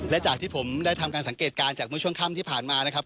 และจากที่ผมได้ทำการสังเกตการณ์จากเมื่อช่วงค่ำที่ผ่านมานะครับ